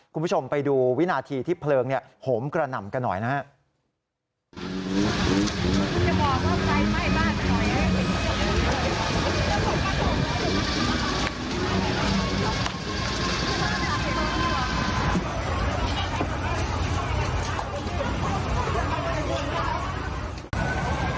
คุณผู้ชมไปดูวินาทีที่เพลิงโหมกระหน่ำกันหน่อยนะครับ